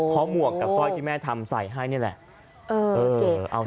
เพราะหมวกกับสร้อยที่แม่ทำใส่ให้เนี่ยแหละเออเอาสิ